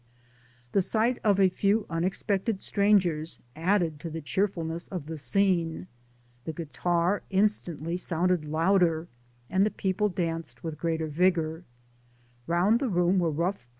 The sight of a few unexpected strangers added to the cheerfulness of the scene ; the guitar instantly sounded louder, and the people danced with greater vigour.